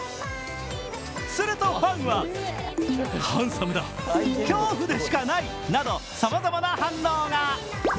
するとファンは、ハンサムだ、恐怖でしかないなどさまざまな反応が。